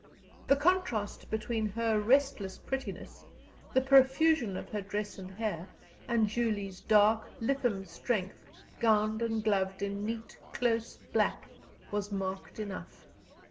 The contrast between her restless prettiness, the profusion of her dress and hair, and Julie's dark, lissome strength, gowned and gloved in neat, close black, was marked enough.